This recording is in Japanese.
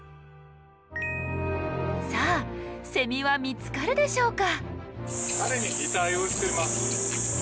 さあセミは見つかるでしょうか？